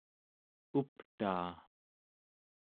uptaa